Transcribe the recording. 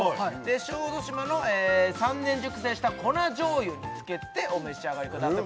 小豆島の３年熟成した粉醤油につけてお召し上がりください